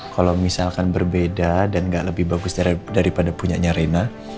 kalau misalkan berbeda dan nggak lebih bagus daripada punya nya rena